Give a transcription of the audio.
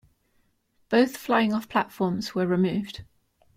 Both flying-off platforms were removed.